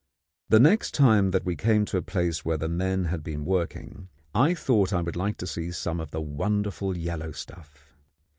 The next time that we came to a place where the men had been working I thought I would like to see some of the wonderful yellow stuff.